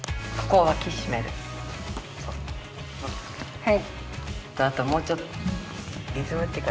はい。